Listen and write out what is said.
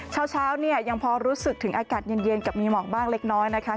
เช้าเนี่ยยังพอรู้สึกถึงอากาศเย็นกับมีหมอกบ้างเล็กน้อยนะคะ